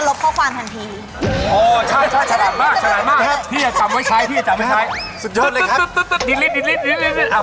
ลบข้อความทันทีฉันยังมีอีกหนึ่งเครื่องในรถด้วยนะครับ